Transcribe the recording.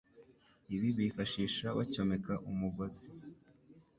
Ibi bifashisha bacyomeka umugozi